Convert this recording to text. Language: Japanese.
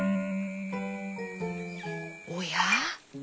おや？